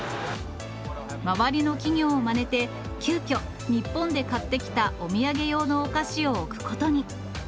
周りの企業をまねて、急きょ、日本で買ってきたお土産用のお菓子を置くことに。